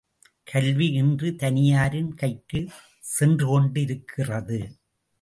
கல்வி இன்று தனியாரின் கைக்குச் சென்றுகொண்டிருக்கிறது.